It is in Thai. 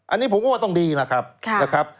อันนี้ผมว่าต้องดีนะครับ